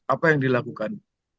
apa yang dilakukan